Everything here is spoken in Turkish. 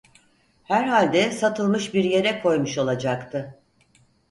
Herhalde Satılmış bir yere koymuş olacaktı.